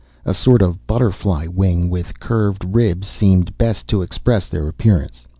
(A sort of butterfly wing with curved ribs seems best to express their appearance.)